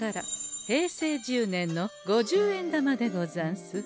平成１０年の五十円玉でござんす。